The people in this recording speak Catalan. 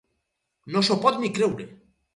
No s'ho pot ni creure.